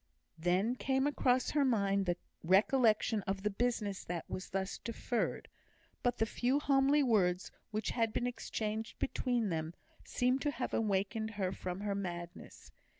Then came across her mind the recollection of the business that was thus deferred; but the few homely words which had been exchanged between them seemed to have awakened her from her madness.